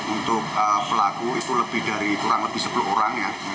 untuk pelaku itu lebih dari kurang lebih sepuluh orang ya